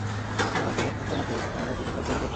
কেননা, শয়তান তার নাকের ছিদ্রে রাতযাপন করে থাকে।